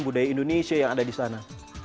budaya indonesia yang ada di sana